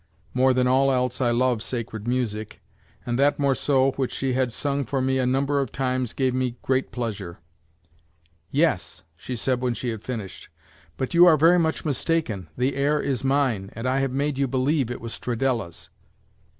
I love more than all else, sacred music, and that morceau which she sang for me a number of times, gave me great pleasure. "Yes," she said when she had finished, "but you are very much mistaken, the air is mine, and I have made you believe it was Stradella's."